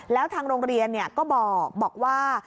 แล้วทางโรงเรียนก็บอกว่า